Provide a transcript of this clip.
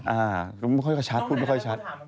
อ่าปรุงก็ไม่ค่อยชัด